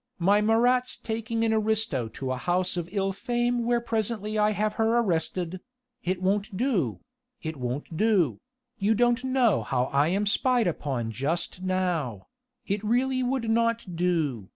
my Marats taking an aristo to a house of ill fame where presently I have her arrested ... it won't do ... it won't do ... you don't know how I am spied upon just now.... It really would not do....